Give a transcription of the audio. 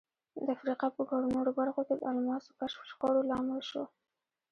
د افریقا په ګڼو نورو برخو کې د الماسو کشف شخړو لامل شو.